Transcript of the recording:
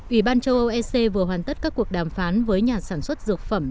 ủy ban châu âu ec vừa hoàn tất các cuộc đàm phán với nhà sản xuất dược phẩm